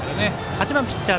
８番ピッチャー